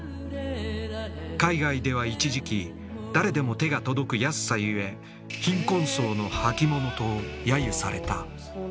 海外では一時期誰でも手が届く安さゆえ「貧困層の履物」と揶揄された。